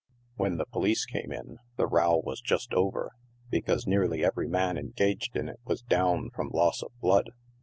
When the police came in, the row was just over, because nearly every man engaged in it was down from loss of blood.